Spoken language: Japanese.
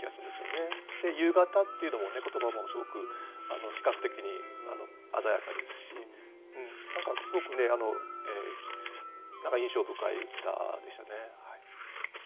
「Ｕ形」っていうのも言葉もすごく視覚的に鮮やかですし何かすごく印象深い歌でしたね。